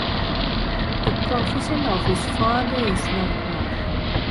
The profession of his father is not known.